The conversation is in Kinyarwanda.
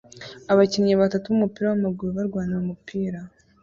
Abakinnyi batatu b'umupira w'amaguru barwanira umupira